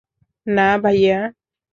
না, ভাইয়া।